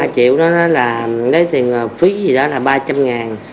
ba triệu đó là lấy tiền phí gì đó là ba trăm linh ngàn